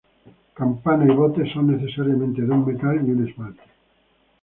Campana y bote son necesariamente de un metal y un esmalte.